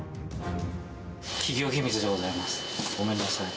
企業秘密でございます。